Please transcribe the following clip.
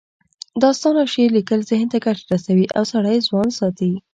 داستان او شعر لیکل ذهن ته ګټه رسوي او سړی ځوان ساتي